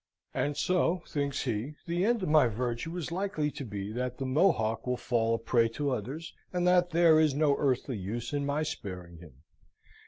"And so," thinks he, "the end of my virtue is likely to be that the Mohock will fall a prey to others, and that there is no earthly use in my sparing him.